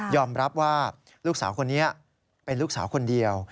รับว่าลูกสาวคนนี้เป็นลูกสาวคนเดียว